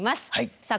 さあ